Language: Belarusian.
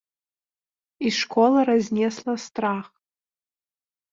І школа разнесла страх.